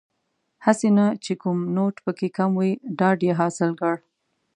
هسې نه چې کوم نوټ پکې کم وي ډاډ یې حاصل کړ.